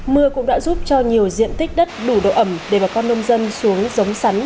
mưa cũng đã giúp cho nhiều diện tích đất đủ độ ẩm để bà con nông dân xuống giống sắn